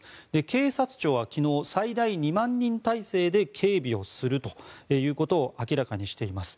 警察庁は昨日最大２万人態勢で警備をするということを明らかにしています。